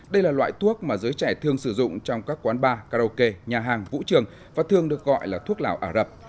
đây là loại thuốc mà giới trẻ thường sử dụng trong các quán bar karaoke nhà hàng vũ trường và thường được gọi là thuốc lào ả rập